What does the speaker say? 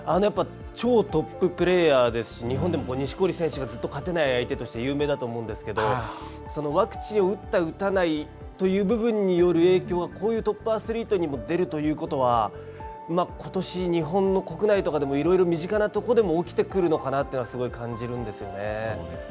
超トッププレーヤーですし日本でもずっと錦織選手が勝てない相手として有名だと思うんですがワクチンを打った打たないという部分による影響は、こういうトップアスリートにも出るということはことし日本の国内とかでもいろいろ身近なところでも起きてくるのかなというのはすごく感じるんですよね。